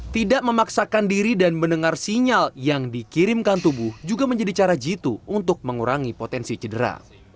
tidak memaksakan diri dan mendengar sinyal yang dikirimkan tubuh juga menjadi cara jitu untuk mengurangi potensi cedera